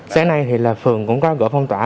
sáng nay thì là phường cũng có gỡ phong tỏa